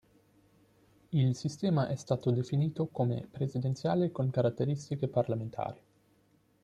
Il sistema è stato definito come "presidenziale con caratteristiche parlamentari".